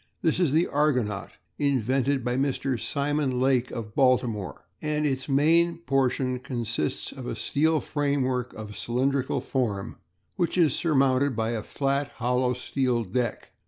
This is the Argonaut, invented by Mr. Simon Lake of Baltimore, and its main portion consists of a steel framework of cylindrical form which is surmounted by a flat, hollow steel deck.